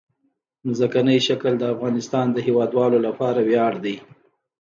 ځمکنی شکل د افغانستان د هیوادوالو لپاره ویاړ دی.